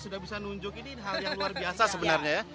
sudah bisa nunjuk ini hal yang luar biasa sebenarnya ya